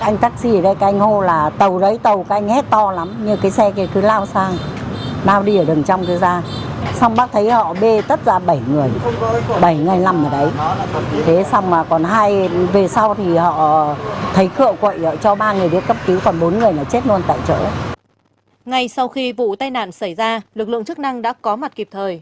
ngày sau khi vụ tai nạn xảy ra lực lượng chức năng đã có mặt kịp thời